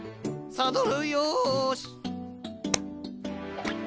サドルよし。